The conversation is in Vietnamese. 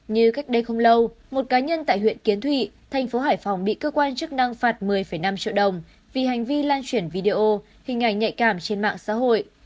như cách đây không lâu một cá nhân tại huyện kiến thụy thành phố hải phòng bị cơ quan chức năng phạt một mươi năm triệu đồng vì hành vi lan chuyển video hình ảnh nhạy cảm trên mạng xã hội